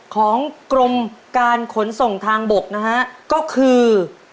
ของกรมการขนส่งทางบกนะฮะก็คือ